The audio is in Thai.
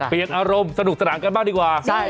เปลี่ยนอารมณ์สนุกสนั่งกันมากดีกว่า